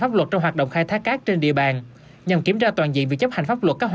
pháp luật trong hoạt động khai thác cát trên địa bàn nhằm kiểm tra toàn diện việc chấp hành pháp luật các hoạt